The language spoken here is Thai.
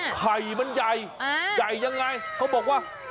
ไข่มันใหญ่ใหญ่ยังไงเขาบอกว่า